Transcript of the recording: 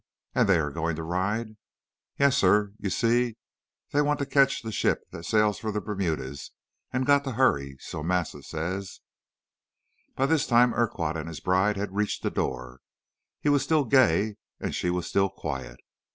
And they are going to ride?' "'Yes, sah. You see, dey want to catch de ship w'at set sail for Bermudas, an' got to hurry; so massa says.' "By this time Urquhart and his bride had reached the door. He was still gay and she was still quiet.